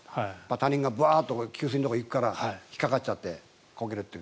他人が給水のところに行くから引っかかっちゃってコケるという。